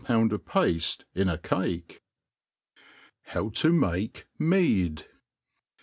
pound of pafte in a cake^ Hwi to make Mead.